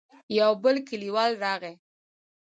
يو بل کليوال راغی.